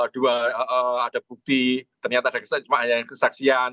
dua ada bukti ternyata ada kesaksian